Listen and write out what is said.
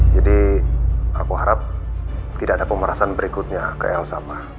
jadi aku harap tidak ada pemerasan berikutnya ke elsa pak